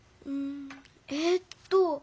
ええっと。